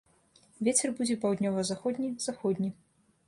Вецер будзе паўднёва-заходні, заходні.